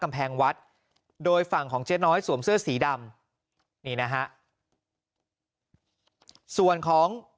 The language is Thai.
กำแพงวัดโดยฝั่งของเจ๊น้อยสวมเสื้อสีดำนี่นะฮะส่วนของ